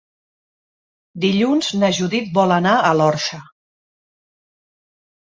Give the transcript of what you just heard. Dilluns na Judit vol anar a l'Orxa.